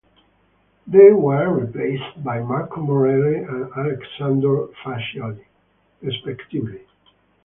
They were replaced by Marco Morelli and Alessandro Falciai respectively.